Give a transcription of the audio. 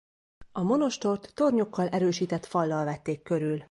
A monostort tornyokkal erősített fallal vették körül.